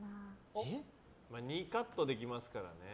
２カットできますからね。